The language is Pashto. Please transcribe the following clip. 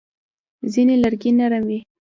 ځینې لرګي نرم وي.